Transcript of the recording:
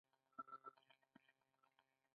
د احمد کره غل ور لوېدلی وو؛ ګوری موری يې ونيو.